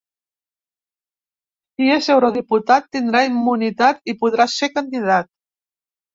Si és eurodiputat tindrà immunitat i podrà ser candidat.